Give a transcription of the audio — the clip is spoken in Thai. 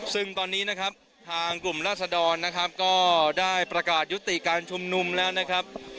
ซึ่งตอนนี้นะครับทางกลุ่มราศดรนะครับก็ได้ประกาศยุติการชุมนุมแล้วนะครับ